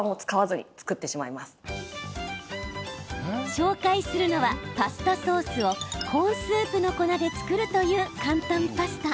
紹介するのは、パスタソースをコーンスープの粉で作るという簡単パスタ。